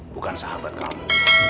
bukan sahabat kamu